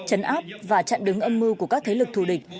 chấn áp và chặn đứng âm mưu của các thế lực thù địch